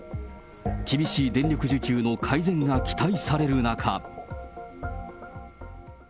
厳しい電力需給の改善が期待される中。